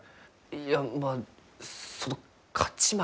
いやまあその勝ち負けでは。